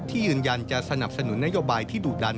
ยืนยันจะสนับสนุนนโยบายที่ดุดัน